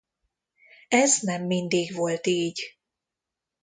Ez nem mindig volt így.